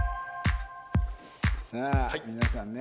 さあ皆さんね。